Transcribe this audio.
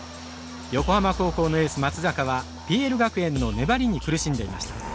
横浜高校のエース松坂はＰＬ学園の粘りに苦しんでいました。